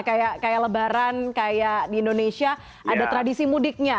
kayak lebaran kayak di indonesia ada tradisi mudiknya